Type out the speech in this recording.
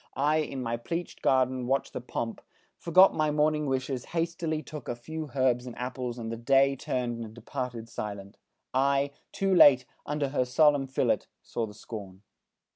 I, in my pleachéd garden watched the pomp, Forgot my morning wishes, hastily Took a few herbs and apples and the day Turned and departed silent. I, too late, Under her solemn fillet, saw the scorn!"